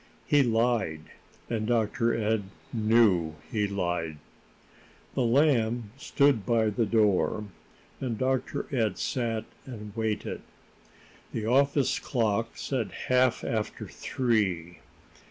He lied, and Dr. Ed knew he lied. The Lamb stood by the door, and Dr. Ed sat and waited. The office clock said half after three.